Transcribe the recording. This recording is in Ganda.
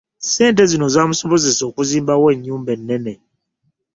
Ssente zino zaamusobozesa okuzimbawo ennyumba ennene.